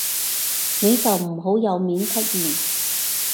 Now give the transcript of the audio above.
你就唔好有面出現